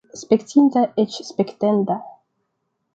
Spektinda, eĉ spektenda!